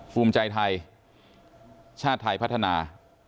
ภูมิใจไทยชาติไทยพัฒนา